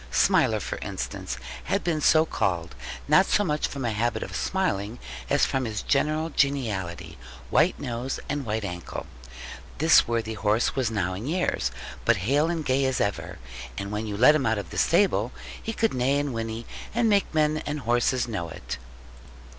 Smiler, for instance, had been so called, not so much from a habit of smiling, as from his general geniality, white nose, and white ankle. This worthy horse was now in years, but hale and gay as ever; and when you let him out of the stable, he could neigh and whinny, and make men and horses know it.